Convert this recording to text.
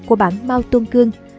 của bản mao tôn cương